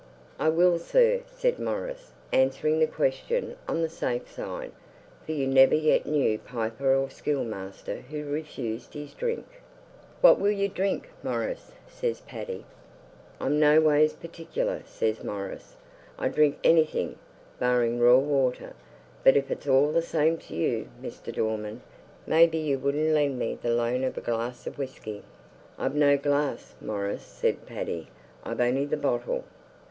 'I will, sir,' said Maurice, answering the question on the safe side, for you never yet knew piper or schoolmaster who refused his drink. 'What will you drink, Maurice?' says Paddy. 'I'm no ways particular,' says Maurice; 'I drink anything, barring raw water; but if it's all the same to you, Mister Dorman, may be you wouldn't lend me the loan of a glass of whisky.' 'I've no glass, Maurice,' said Paddy; 'I've only the bottle.